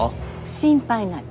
心配ない。